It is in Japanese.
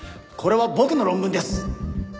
これは僕の論文です！